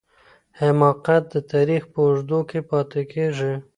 حماقت د تاریخ په اوږدو کي پاتې کیږي.